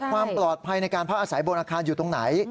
ความปลอดภัยในการพักอาศัยบนอาคารอยู่ตรงไหน